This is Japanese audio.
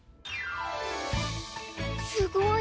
すごい。